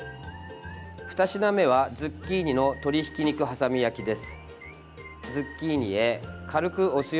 ふた品目は、ズッキーニの鶏ひき肉挟み焼きです。